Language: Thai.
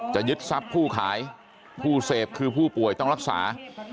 ยึดทรัพย์ผู้ขายผู้เสพคือผู้ป่วยต้องรักษา